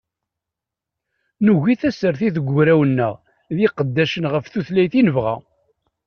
Nugi tasertit deg ugraw-nneɣ, d iqeddacen ɣef tutlayt i nebɣa.